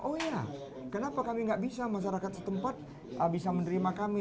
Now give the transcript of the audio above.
oh ya kenapa kami nggak bisa masyarakat setempat bisa menerima kami